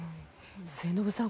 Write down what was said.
末延さん